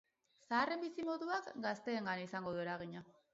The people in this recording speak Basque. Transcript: Zaharren bizimoduak gazteengan izango du eragina.